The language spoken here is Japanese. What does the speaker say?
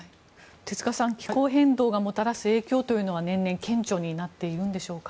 手塚さん、気候変動がもたらす影響というのは年々顕著になっているんでしょうか。